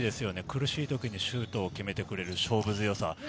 苦しいときにシュート決めてくれる勝負強さ。